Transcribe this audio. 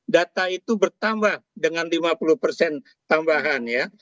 data itu bertambah dengan lima puluh persen tambahan ya